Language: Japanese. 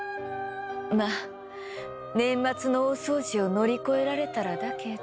ま年末の大掃除を乗り越えられたらだけど。